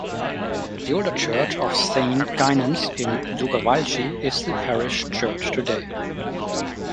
The older church of Saint Gwynin's in Dwygyfylchi is the parish church today.